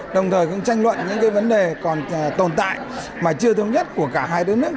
đồng thời cũng tranh luận những vấn đề còn tồn tại mà chưa thống nhất của cả hai đất nước